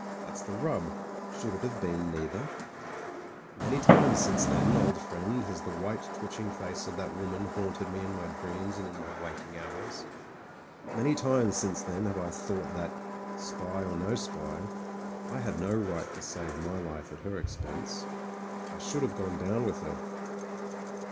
That's the rub ; should it have been neither ? Many times since then, old friend, has the white twitching face of that woman haunted me in my dreams and in my waking hours. Many times since then have I thought that — spy or no spy — I had no right to save my life at her expense; I should have SPUD TREVOR OF THE RED HUSSARS 95 gone*down with her.